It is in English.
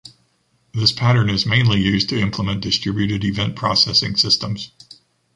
This pattern is mainly used to implement distributed event processing systems.